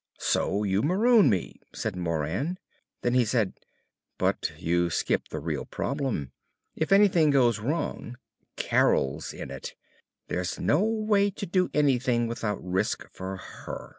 "So you maroon me," said Moran. Then he said; "But you've skipped the real problem! If anything goes wrong, Carol's in it! There's no way to do anything without risk for her!